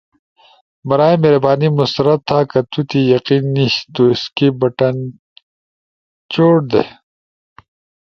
برائے مہربانی مسترد تھا۔ کہ تو تی یقین نیِش تو سکیپ بٹن چوٹ دے۔